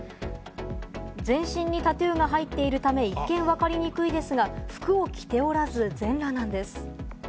全身にタトゥーが入っているため、一見わかりにくいですが、服を着ておらず、全裸なんです。